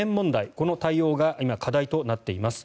この対応が今、課題となっています。